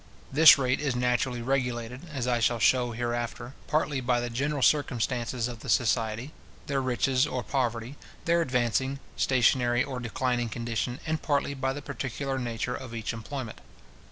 This rate is naturally regulated, as I shall shew hereafter, partly by the general circumstances of the society, their riches or poverty, their advancing, stationary, or declining condition, and partly by the particular nature of each employment.